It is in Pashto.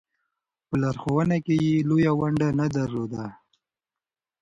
په لارښوونه کې یې لویه ونډه نه درلوده.